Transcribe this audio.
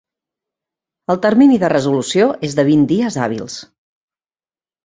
El termini de resolució és de vint dies hàbils.